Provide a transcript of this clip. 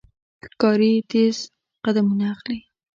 ښکاري تیز قدمونه اخلي.